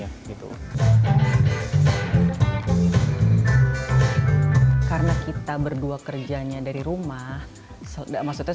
sepentingnya itu karena kita berdua kerjanya dari rumah ordering fixedness kan kita kalau pasang mobil vois were operative for security because the ground is full